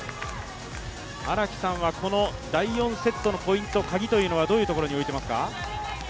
荒木さんは第４セットのポイント、カギはどういうところに置いてますか？